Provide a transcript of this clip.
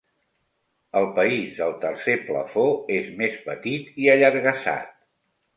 El país del tercer plafó és més petit i allargassat.